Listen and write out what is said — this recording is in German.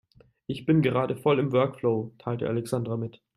Ich bin gerade voll im Workflow, teilte Alexandra mit.